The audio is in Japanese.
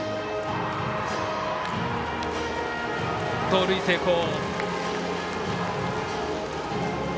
盗塁成功。